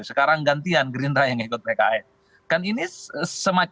sekarang gantian gerinda yang ikut pks